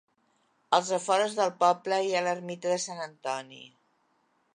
Als afores del poble hi ha l'ermita de Sant Antoni.